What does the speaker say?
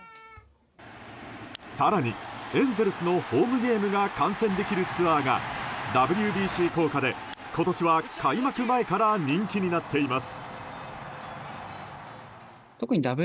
更にエンゼルスのホームゲームが観戦できるツアーがＷＢＣ効果で今年は開幕前から人気になっています。